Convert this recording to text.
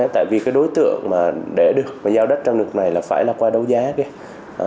tại vì cái đối tượng mà để được và giao đất trong đợt này là phải là qua đấu giá kia